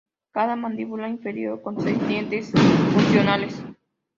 Cada mandíbula inferior con seis dientes funcionales.